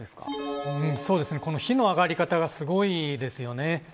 そうですね、この火の上がり方がすごいですよね。